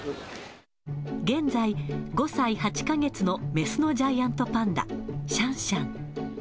現在、５歳８か月の雌のジャイアントパンダ、シャンシャン。